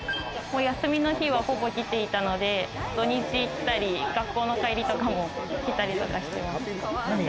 お休みの日はほぼ来ていたので、土日行ったり、学校の帰りとかも来たりとかしてました。